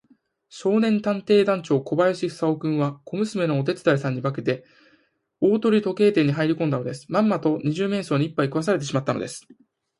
少年探偵団長小林芳雄君は、小娘のお手伝いさんに化けて、大鳥時計店にはいりこんでいたのです。まんまと二十面相にいっぱい食わせてしまったのです。